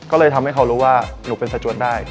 ก็เลยทำให้เขารู้ว่าหนูเป็นสจวนได้